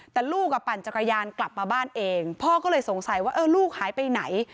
แต่ลูกอ่ะปั่นจักรยานกลับมาบ้านเองพ่อก็เลยสงสัยว่าเออลูกหายไปไหน